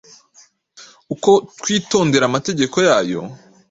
uko twitondera amategeko yayo